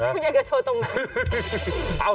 กูอยากจะโชว์ตรงไหน